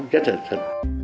rất là thật